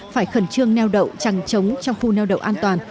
phải khẩn trương neo đậu chẳng chống trong khu neo đậu an toàn